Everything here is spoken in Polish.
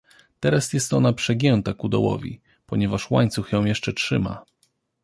Teraz jest ona przegięta ku dołowi, ponieważ łańcuch ją jeszcze trzyma.